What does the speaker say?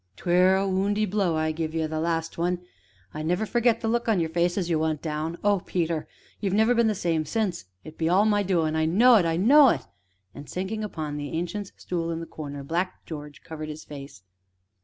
"'Twere a woundy blow I give 'ee that last one! I'll never forget the look o' your face as you went down. Oh, Peter! you've never been the same since it be all my doin' I know it, I know it," and, sinking upon the Ancient's stool in the corner, Black George covered his face.